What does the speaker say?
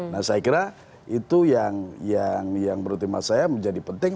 nah saya kira itu yang menurut saya menjadi penting